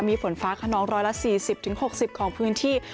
มีฝนฟ้าขนอง๑๔๐๖๐ของพื้นที่